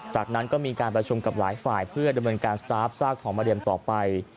จากนั้นก็มีการประชุมกับหลายฝ่ายเพื่อดำเนินการสตาร์ฟซากของมะเร็มต่อไป